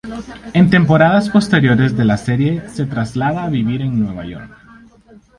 En temporadas posteriores de la serie se traslada a vivir en Nueva York.